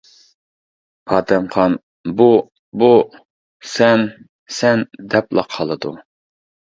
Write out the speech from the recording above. پاتەمخان:-بۇ. بۇ. سەن سەن دەپلا قالىدۇ.